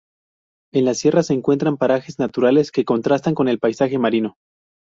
En la sierra se encuentran parajes naturales que contrastan con el paisaje marino.